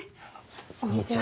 こんにちは。